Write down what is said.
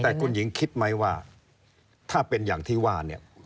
แต่คุณหญิงคิดไหมว่าถ้าเป็นอย่างที่ว่าเนี่ย